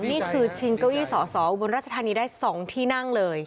นี่คือชิงเก้าอี้สอสออุบลราชธานีได้๒ที่นั่งเลย